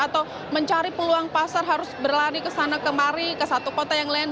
atau mencari peluang pasar harus berlari ke sana kemari ke satu kota yang lain